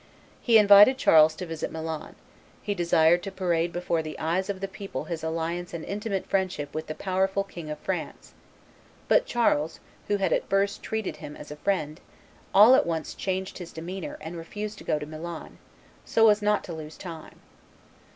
He invited Charles to visit Milan; he desired to parade before the eyes of the people his alliance and intimate friendship with the powerful King of France; but Charles, who had at first treated him as a friend, all at once changed his demeanor, and refused to go to Milan, "so as not to lose time."